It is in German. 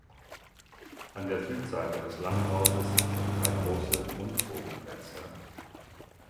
An der Südseite des Langhauses sind drei große Rundbogenfenster.